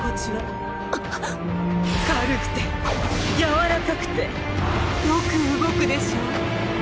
軽くて柔らかくてよく動くでしょう。